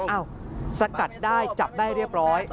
สกัดได้จับได้เรียบร้อย